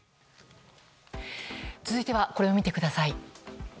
続いては、これを見てください。